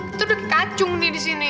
kita udah kayak kacung nih disini